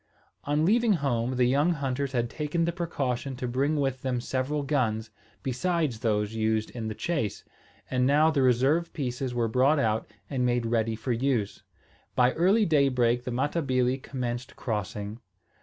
On leaving home, the young hunters had taken the precaution to bring with them several guns, besides those used in the chase; and now the reserve pieces were brought out and made ready for use. By early daybreak the Matabili commenced crossing.